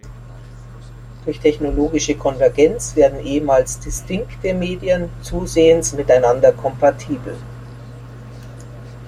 Durch technologische Konvergenz werden ehemals distinkte Medien zusehends miteinander kompatibel.